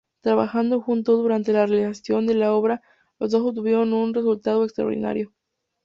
Trabajando juntos durante la realización de la obra los dos obtuvieron un resultado extraordinario.